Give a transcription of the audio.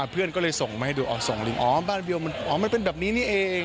เพื่อนก็เลยส่งมาให้ดูออกส่งลิงอ๋อบ้านเดียวมันอ๋อมันเป็นแบบนี้นี่เอง